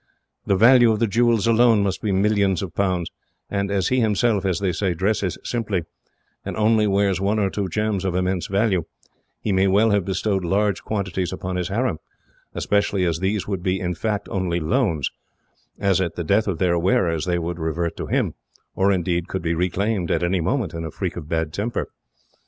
The value of the jewels, alone, must be millions of pounds; and as he himself, as they say, dresses simply, and only wears one or two gems, of immense value, he may well have bestowed large quantities upon his harem, especially as these would be, in fact, only loans, as at the death of their wearers they would revert to him, or, indeed, could be reclaimed at any moment, in a freak of bad temper.